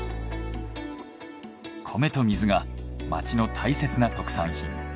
米と水が町の大切な特産品。